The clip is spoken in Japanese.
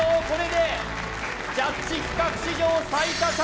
これでジャッジ企画史上最多